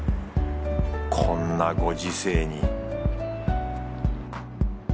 こんなご時世に